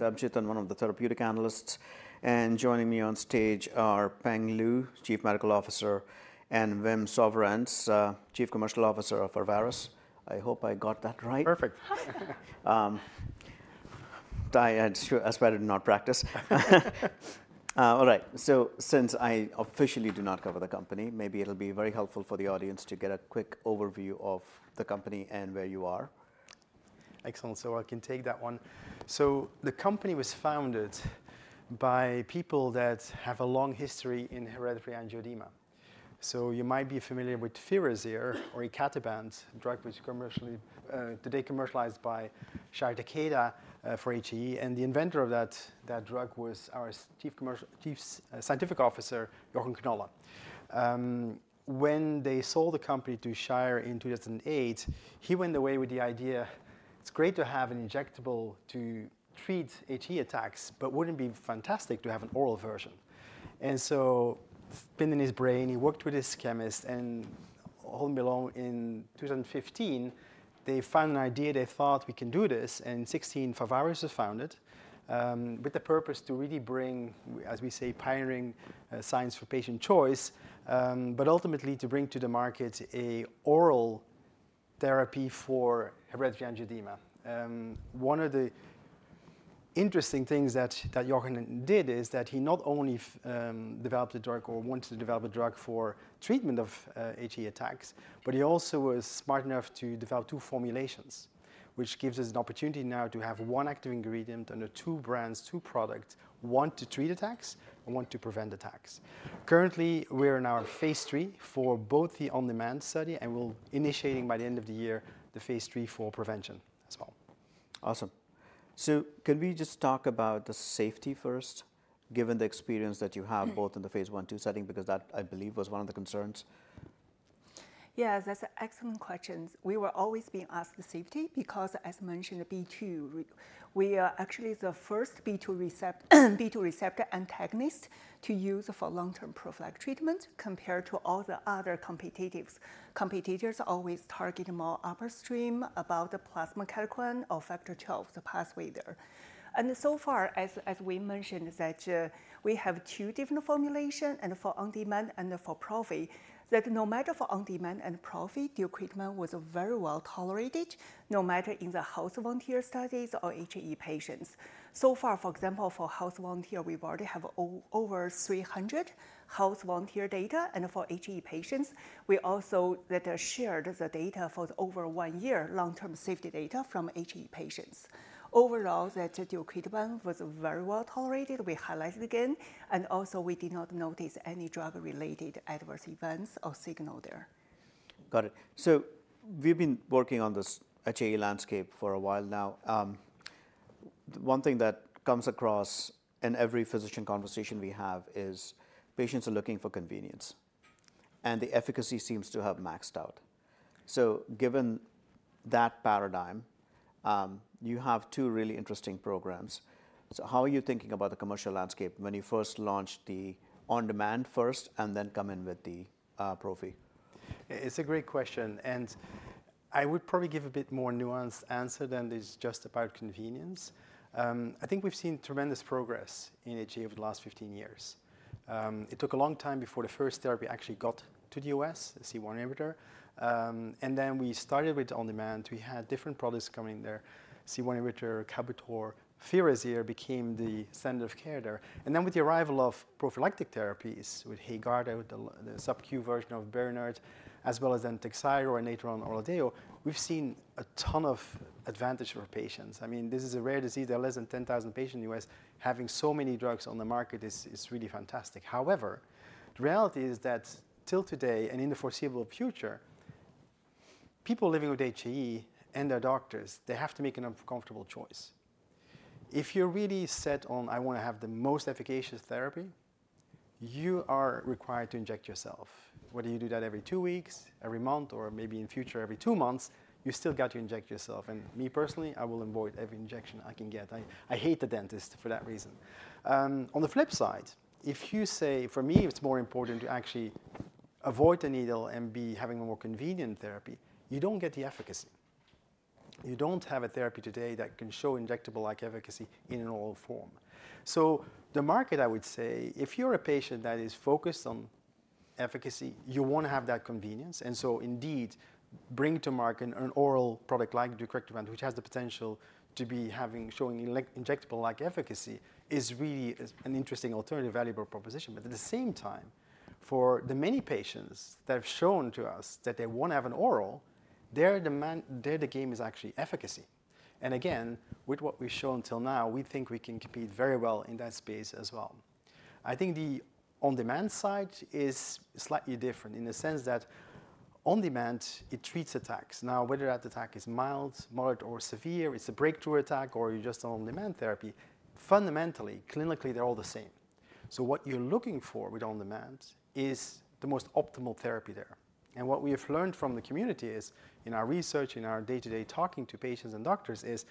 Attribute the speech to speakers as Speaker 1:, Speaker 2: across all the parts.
Speaker 1: One of the therapeutic analysts. Joining me on stage are Peng Lu, Chief Medical Officer, and Wim Souverijns, Chief Commercial Officer of Pharvaris. I hope I got that right.
Speaker 2: Perfect. I swear I did not practice. All right, so since I officially do not cover the company, maybe it'll be very helpful for the audience to get a quick overview of the company and where you are. Excellent. I can take that one. The company was founded by people that have a long history in hereditary angioedema. You might be familiar with FIRAZYR or icatibant, a drug which was commercialized today by Shire, Takeda for HAE. And the inventor of that drug was our Chief Scientific Officer, Jochen Knolle. When they sold the company to Shire in 2008, he walked away with the idea, it's great to have an injectable to treat HAE attacks, but wouldn't it be fantastic to have an oral version? And so it's been in his brain. He worked with his chemist. And then in 2015, they found an idea. They thought, we can do this. In 2016, Pharvaris was founded with the purpose to really bring, as we say, pioneering science for patient choice, but ultimately to bring to the market an oral therapy for hereditary angioedema. One of the interesting things that Jochen did is that he not only developed a drug or wanted to develop a drug for treatment of HAE attacks, but he also was smart enough to develop two formulations, which gives us an opportunity now to have one active ingredient under two brands, two products, one to treat attacks and one to prevent attacks. Currently, we're in our phase III for both the on-demand study, and we'll be initiating by the end of the year the phase III for prevention as well. Awesome. So can we just talk about the safety first, given the experience that you have both in the phase I and II setting, because that, I believe, was one of the concerns?
Speaker 3: Yes, that's an excellent question. We were always being asked the safety because, as mentioned, B2, we are actually the first B2 receptor antagonist to use for long-term prophylactic treatment compared to all the other competitors. Competitors always target more upstream about the plasma kallikrein or factor XII, the pathway there. And so far, as we mentioned, that we have two different formulations, and for on-demand and for prophy, that no matter for on-demand and prophy, the drug was very well tolerated, no matter in the healthy volunteer studies or HAE patients. So far, for example, for healthy volunteer, we've already had over 300 healthy volunteer data. And for HAE patients, we also shared the data for over one year, long-term safety data from HAE patients. Overall, that the drug was very well tolerated. We highlighted again. And also, we did not notice any drug-related adverse events or signal there. Got it. So we've been working on this HAE landscape for a while now. One thing that comes across in every physician conversation we have is patients are looking for convenience, and the efficacy seems to have maxed out. So given that paradigm, you have two really interesting programs. So how are you thinking about the commercial landscape when you first launch the on-demand first and then come in with the prophy?
Speaker 2: It's a great question. I would probably give a bit more nuanced answer than this just about convenience. I think we've seen tremendous progress in HAE over the last 15 years. It took a long time before the first therapy actually got to the U.S., the C1 inhibitor. Then we started with on-demand. We had different products coming there, C1 inhibitor, KALBITOR. FIRAZYR became the standard of care there. Then with the arrival of prophylactic therapies with HAEGARDA, the sub-Q version of BERINERT, as well as then TAKHZYRO or ORLADEYO, we've seen a ton of advantage for patients. I mean, this is a rare disease. There are less than 10,000 patients in the U.S. Having so many drugs on the market is really fantastic. However, the reality is that till today and in the foreseeable future, people living with HAE and their doctors, they have to make an uncomfortable choice. If you're really set on, I want to have the most efficacious therapy, you are required to inject yourself. Whether you do that every two weeks, every month, or maybe in future every two months, you still got to inject yourself, and me personally, I will avoid every injection I can get. I hate the dentist for that reason. On the flip side, if you say, for me, it's more important to actually avoid the needle and be having a more convenient therapy, you don't get the efficacy. You don't have a therapy today that can show injectable-like efficacy in an oral form. So the market, I would say, if you're a patient that is focused on efficacy, you want to have that convenience. And so indeed, bring to market an oral product like deucrictibant, which has the potential to be showing injectable-like efficacy, is really an interesting alternative, valuable proposition. But at the same time, for the many patients that have shown to us that they want to have an oral, there the game is actually efficacy. And again, with what we've shown till now, we think we can compete very well in that space as well. I think the on-demand side is slightly different in the sense that on-demand, it treats attacks. Now, whether that attack is mild, moderate, or severe, it's a breakthrough attack, or you're just on on-demand therapy, fundamentally, clinically, they're all the same. So what you're looking for with on-demand is the most optimal therapy there. And what we have learned from the community is in our research, in our day-to-day talking to patients and doctors, is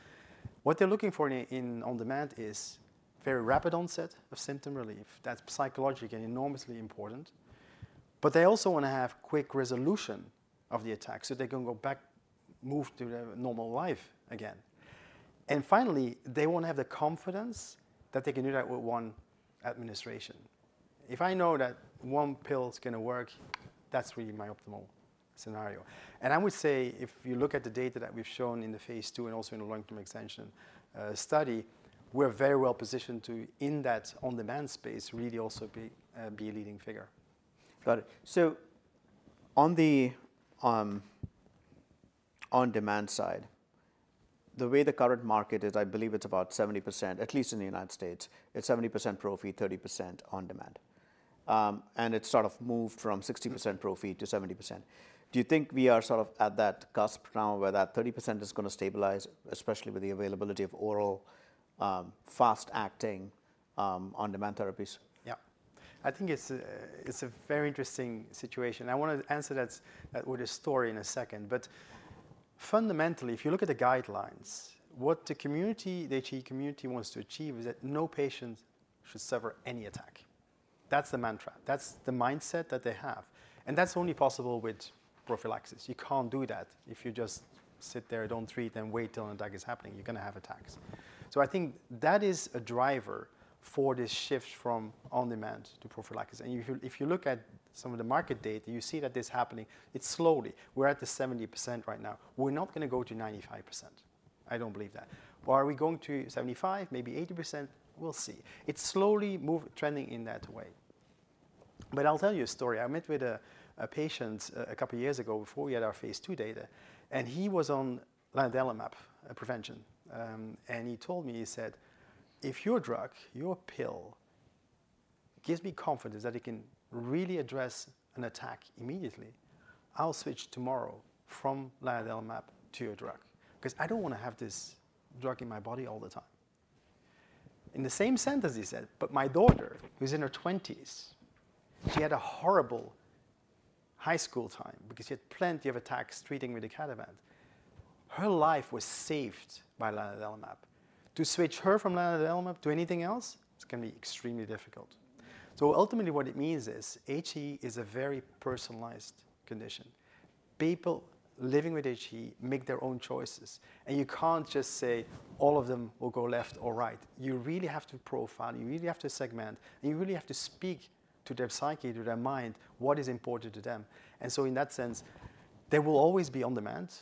Speaker 2: what they're looking for in on-demand is very rapid onset of symptom relief. That's psychologically enormously important. But they also want to have quick resolution of the attack so they can go back, move to normal life again. And finally, they want to have the confidence that they can do that with one administration. If I know that one pill is going to work, that's really my optimal scenario. And I would say, if you look at the data that we've shown in the phase II and also in the long-term extension study, we're very well positioned to, in that on-demand space, really also be a leading figure. Got it. So on the on-demand side, the way the current market is, I believe it's about 70%, at least in the United States, it's 70% prophy, 30% on-demand. And it's sort of moved from 60% prophy to 70%. Do you think we are sort of at that cusp now where that 30% is going to stabilize, especially with the availability of oral fast-acting on-demand therapies? Yeah. I think it's a very interesting situation. I want to answer that with a story in a second. But fundamentally, if you look at the guidelines, what the community, the HAE community wants to achieve is that no patient should suffer any attack. That's the mantra. That's the mindset that they have. And that's only possible with prophylaxis. You can't do that. If you just sit there, don't treat, and wait till an attack is happening, you're going to have attacks. So I think that is a driver for this shift from on-demand to prophylaxis. And if you look at some of the market data, you see that this is happening. It's slowly. We're at the 70% right now. We're not going to go to 95%. I don't believe that. Are we going to 75%, maybe 80%? We'll see. It's slowly trending in that way. I'll tell you a story. I met with a patient a couple of years ago before we had our phase II data. And he was on lanadelumab prevention. And he told me, he said, if your drug, your pill gives me confidence that it can really address an attack immediately, I'll switch tomorrow from lanadelumab to your drug because I don't want to have this drug in my body all the time. In the same sentence, he said, but my daughter, who's in her 20s, she had a horrible high school time because she had plenty of attacks treating with icatibant. Her life was saved by lanadelumab. To switch her from lanadelumab to anything else, it's going to be extremely difficult. So ultimately, what it means is HAE is a very personalized condition. People living with HAE make their own choices. You can't just say all of them will go left or right. You really have to profile. You really have to segment. And you really have to speak to their psyche, to their mind, what is important to them. And so in that sense, there will always be on-demand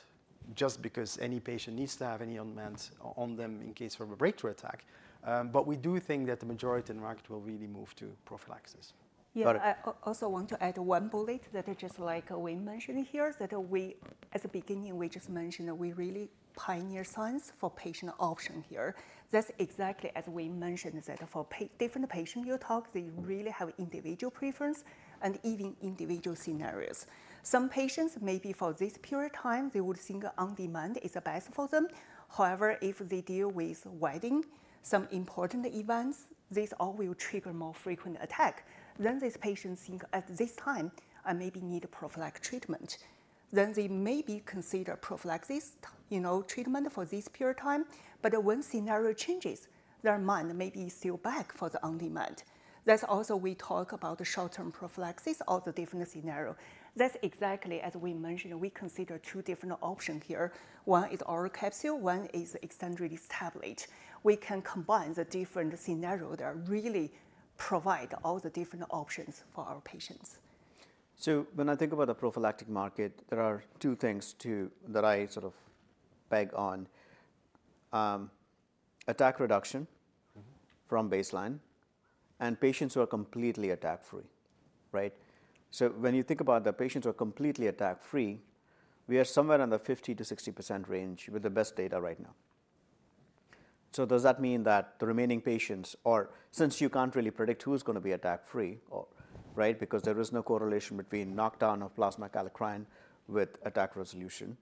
Speaker 2: just because any patient needs to have any on-demand on them in case of a breakthrough attack. But we do think that the majority of the market will really move to prophylaxis.
Speaker 3: Yeah. I also want to add one bullet that just like we mentioned here, that we, at the beginning, we just mentioned that we really pioneer science for patient option here. That's exactly as we mentioned that for different patients you talk, they really have individual preference and even individual scenarios. Some patients, maybe for this period of time, they would think on-demand is the best for them. However, if they deal with wedding, some important events, this all will trigger more frequent attack. Then these patients think at this time, I maybe need prophylactic treatment. Then they maybe consider prophylaxis treatment for this period of time. But when scenario changes, their mind may be still back for the on-demand. That's also we talk about the short-term prophylaxis, all the different scenarios. That's exactly as we mentioned, we consider two different options here. One is oral capsule. One is icatibant tablet. We can combine the different scenarios that really provide all the different options for our patients. So when I think about the prophylactic market, there are two things too that I sort of peg on. Attack reduction from baseline and patients who are completely attack free, right? So when you think about the patients who are completely attack free, we are somewhere in the 50%-60% range with the best data right now. So does that mean that the remaining patients, or since you can't really predict who's going to be attack free, right, because there is no correlation between knockdown of plasma kallikrein with attack resolution,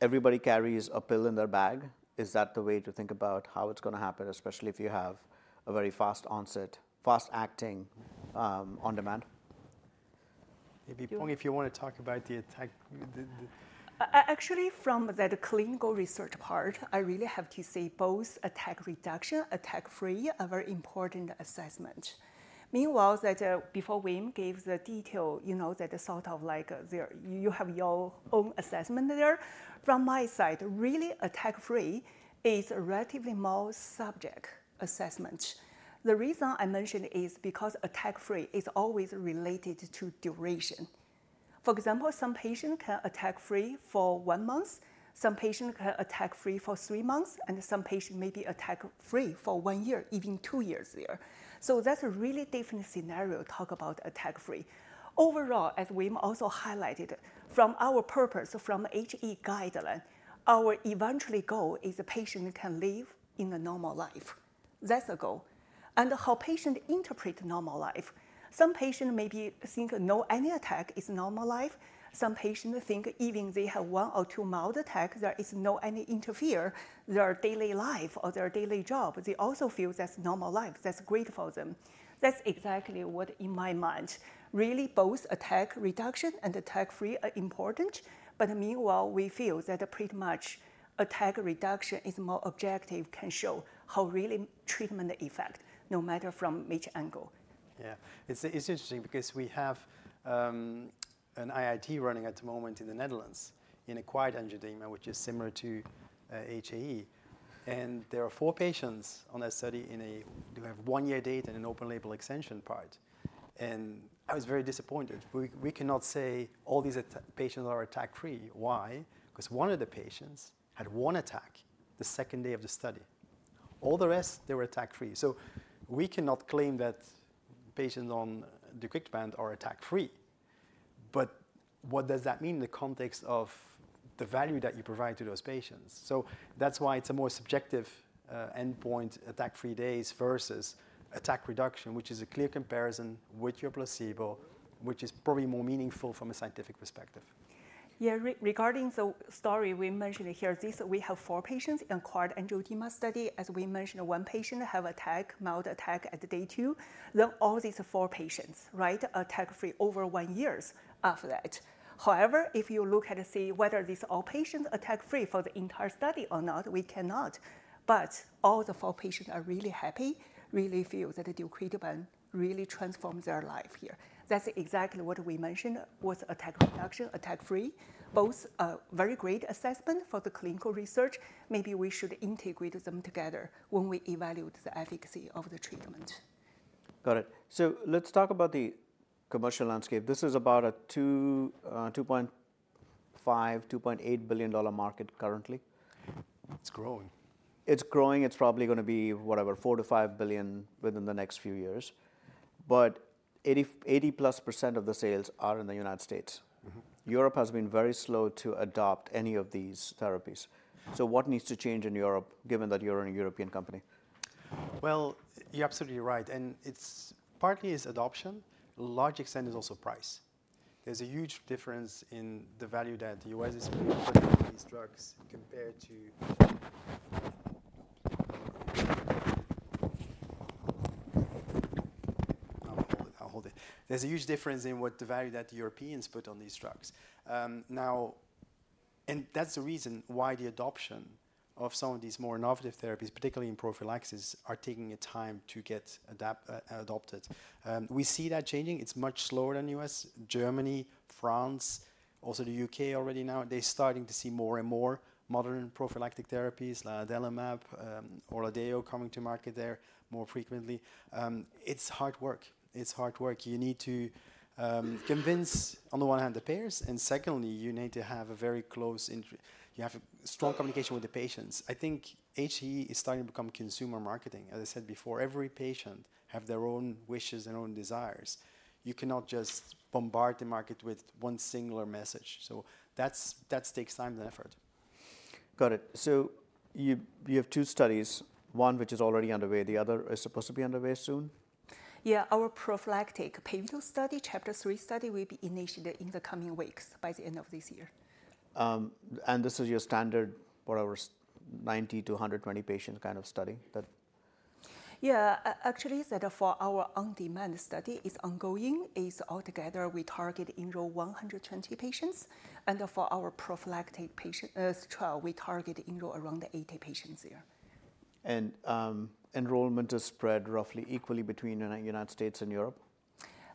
Speaker 3: everybody carries a pill in their bag. Is that the way to think about how it's going to happen, especially if you have a very fast onset, fast-acting on-demand?
Speaker 2: Maybe if you want to talk about the attack.
Speaker 3: Actually, from the clinical research part, I really have to say both attack reduction, attack free, are very important assessments. Meanwhile, before Wim gave the detail, you know that sort of like you have your own assessment there. From my side, really attack free is a relatively more subject assessment. The reason I mentioned is because attack free is always related to duration. For example, some patients can attack free for one month. Some patients can attack free for three months. And some patients may be attack free for one year, even two years there. So that's a really different scenario to talk about attack free. Overall, as Wim also highlighted, from our purpose, from HAE guideline, our eventual goal is a patient can live in a normal life. That's the goal. And how patients interpret normal life. Some patients maybe think no any attack is normal life. Some patients think even they have one or two mild attacks, there is no any interfere. Their daily life or their daily job, they also feel that's normal life. That's great for them. That's exactly what in my mind, really both attack reduction and attack free are important. But meanwhile, we feel that pretty much attack reduction is more objective can show how really treatment effect, no matter from which angle.
Speaker 2: Yeah. It's interesting because we have an IIT running at the moment in the Netherlands in acquired angioedema, which is similar to HAE. There are four patients on that study who have one-year data and an open-label extension part. I was very disappointed. We cannot say all these patients are attack free. Why? Because one of the patients had one attack the second day of the study. All the rest, they were attack free. We cannot claim that patients on deucrictibant are attack free. But what does that mean in the context of the value that you provide to those patients? That's why it's a more subjective endpoint, attack free days versus attack reduction, which is a clear comparison with your placebo, which is probably more meaningful from a scientific perspective.
Speaker 3: Yeah. Regarding the story we mentioned here, we have four patients in an acquired angioedema study. As we mentioned, one patient had attack, mild attack at day two. Then all these four patients, right, attack free over one year after that. However, if you look at and see whether these all patients attack free for the entire study or not, we cannot. But all the four patients are really happy, really feel that the deucrictibant really transformed their life here. That's exactly what we mentioned with attack reduction, attack free. Both are very great assessment for the clinical research. Maybe we should integrate them together when we evaluate the efficacy of the treatment. Got it. So let's talk about the commercial landscape. This is about a $2.5 billion-$2.8 billion market currently.
Speaker 2: It's growing. It's growing. It's probably going to be whatever, $4 billion-$5 billion within the next few years. But 80%+ of the sales are in the United States. Europe has been very slow to adopt any of these therapies. So what needs to change in Europe, given that you're a European company? You're absolutely right. Partly it's adoption. To a large extent it's also price. There's a huge difference in the value that the U.S. is putting into these drugs compared to Europe. There's a huge difference in the value that the Europeans put on these drugs. Now, and that's the reason why the adoption of some of these more innovative therapies, particularly in prophylaxis, are taking time to get adopted. We see that changing. It's much slower than the U.S. Germany, France, also the U.K. already now, they're starting to see more and more modern prophylactic therapies, lanadelumab, ORLADEYO, coming to market there more frequently. It's hard work. It's hard work. You need to convince, on the one hand, the payers. And secondly, you need to have a very close. You have strong communication with the patients. I think HAE is starting to become consumer marketing. As I said before, every patient has their own wishes and own desires. You cannot just bombard the market with one singular message, so that takes time and effort. Got it, so you have two studies. One, which is already underway. The other is supposed to be underway soon?
Speaker 3: Yeah. Our prophylactic pivotal study, CHAPTER-3 study, will be initiated in the coming weeks, by the end of this year. This is your standard whatever, 90-120 patients kind of study? Yeah. Actually, for our on-demand study, it's ongoing. Altogether, we target enroll 120 patients. And for our prophylaxis trial, we target enroll around 80 patients there. Enrollment is spread roughly equally between the United States and Europe?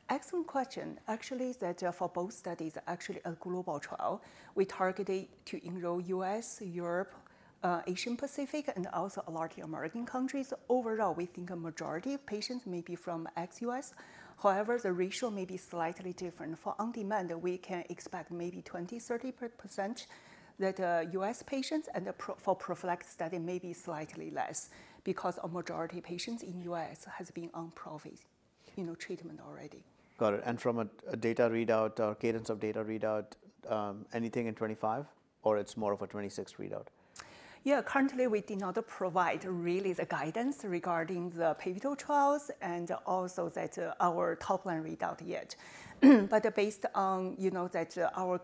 Speaker 3: Excellent question. Actually, for both studies, actually a global trial, we targeted to enroll U.S., Europe, Asia-Pacific, and also a lot of Latin American countries. Overall, we think a majority of patients may be from ex-U.S. However, the ratio may be slightly different. For on-demand, we can expect maybe 20%-30% that U.S. patients. For prophylaxis, that may be slightly less because a majority of patients in U.S. has been on prophylaxis treatment already. Got it. And from a data readout or cadence of data readout, anything in 2025? Or it's more of a 2026 readout? Yeah. Currently, we do not provide really the guidance regarding the pivotal trials and also our top-line readout yet. But based on that, our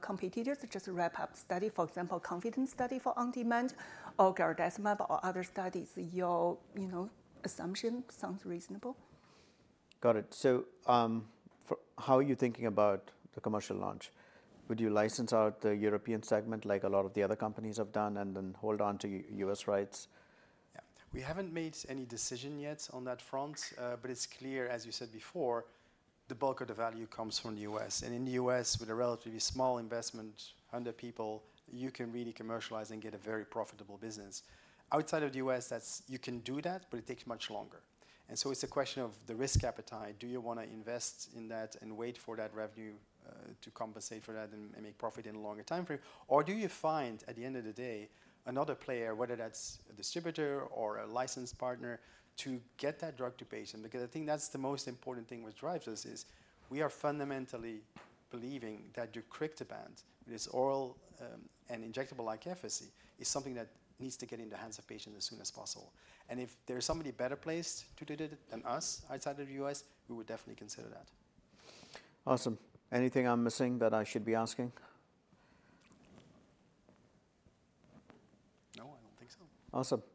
Speaker 3: competitors just wrap up study, for example, KONFIDENT study for on-demand or garadacimab or other studies, your assumption sounds reasonable. Got it. So how are you thinking about the commercial launch? Would you license out the European segment like a lot of the other companies have done and then hold on to U.S. rights?
Speaker 2: Yeah. We haven't made any decision yet on that front. But it's clear, as you said before, the bulk of the value comes from the U.S. And in the U.S., with a relatively small investment, 100 people, you can really commercialize and get a very profitable business. Outside of the U.S., you can do that, but it takes much longer. And so it's a question of the risk appetite. Do you want to invest in that and wait for that revenue to compensate for that and make profit in a longer time frame? Or do you find, at the end of the day, another player, whether that's a distributor or a licensed partner, to get that drug to patients? Because I think that's the most important thing which drives us is we are fundamentally believing that deucrictibant, this oral and injectable like efficacy, is something that needs to get in the hands of patients as soon as possible. And if there's somebody better placed to do it than us outside of the U.S., we would definitely consider that. Awesome. Anything I'm missing that I should be asking? No, I don't think so. Awesome.